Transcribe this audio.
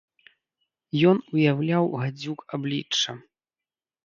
Ён уяўляў гадзюк аблічча.